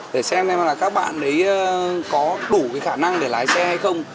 để xem các bạn có đủ khả năng để lái xe hay không